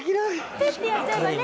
ペッてやっちゃえばね。